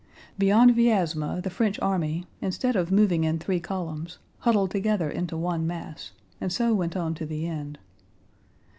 Beyond Vyázma the French army instead of moving in three columns huddled together into one mass, and so went on to the end.